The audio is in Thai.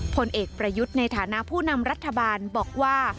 ผลเอกประยุทธ์ในฐานะผู้นำรัฐบาลบอกว่า